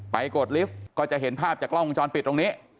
กดลิฟต์ก็จะเห็นภาพจากกล้องวงจรปิดตรงนี้